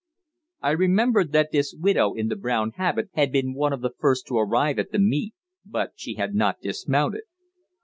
I remembered that this widow in the brown habit had been one of the first to arrive at the meet, but she had not dismounted.